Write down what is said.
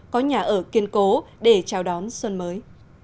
có nhà ở kiên cố để chào đón xuân mới